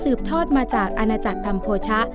ซืบทอดมาจากอาณาจักรธรรมโพชะ